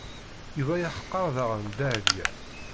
Yuba yeḥqer daɣen Dahbiya.